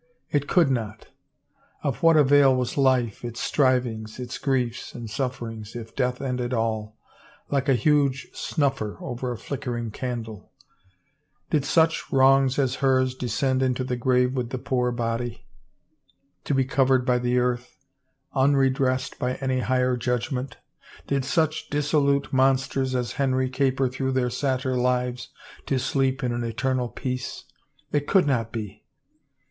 It could not I Of what avail was life, its strivings, its griefs and sufferings, if death ended all, like a huge snuffer over a flickering candle ? Did such wrongs as hers descend into the grave with the poor body, to be covered by the earth, unredressed by any higher judgment? Did such disso lute monsters as Henry caper through their satyr lives to sleep in an eternal peace? It could not be!